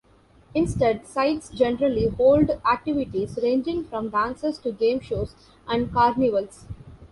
Instead, sites generally hold activities ranging from dances to game shows and carnivals.